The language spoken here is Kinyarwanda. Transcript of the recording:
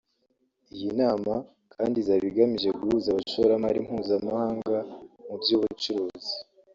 Iyi nama kandi izaba igamije guhuza abashoramari mpuzamahanga mu by’ubucuruzi